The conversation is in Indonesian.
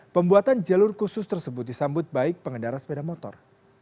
pembuatan jalur khusus tersebut disambut baik pengendara sepeda motor